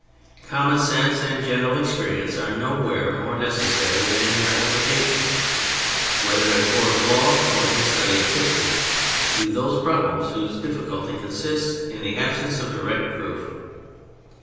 Common sense and general experience are nowhere more necessary than in their application, whether in a court of law or in the study of history, to those problems whose difficulty consists in the absence of direct proof.